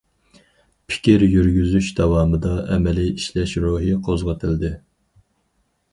پىكىر يۈرگۈزۈش داۋامىدا ئەمەلىي ئىشلەش روھى قوزغىتىلدى.